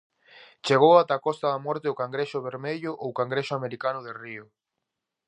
Chegou ata a Costa da Morte o cangrexo vermello ou cangrexo americano de río.